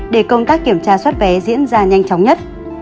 để công tác kiểm soát vé diễn ra nhanh chóng nhất